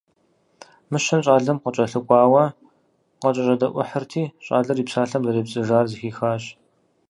Мыщэр щӏалэм къыкӏэлъыкӏуауэ къакӏэщӏэдэӏухьырти, щӏалэр и псалъэм зэрепцӏыжар зэхихащ.